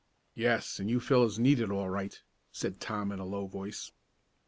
"Yes, and you fellows need it all right," said Tom in a low voice.